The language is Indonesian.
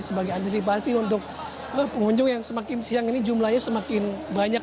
sebagai antisipasi untuk pengunjung yang semakin siang ini jumlahnya semakin banyak